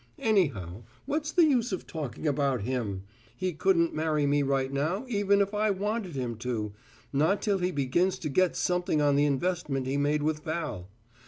Anyhow, what's the use talking about him? He couldn't marry me right now, even if I wanted him to not till he begins to get something on the investment he made with Val.